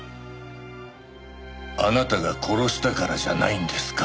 あなたが殺したからじゃないんですか？